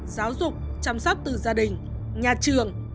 giáo dục chăm sóc từ gia đình nhà trường